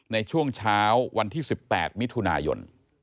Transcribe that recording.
ในช่วงเช้าวันที่๑๘มิถุนายน